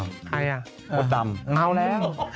มสดำเอาแหละ